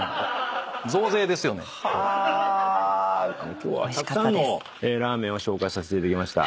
今日はたくさんのラーメンを紹介させていただきました。